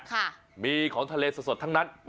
ค่ะมีของทะเลสดทั้งนั้น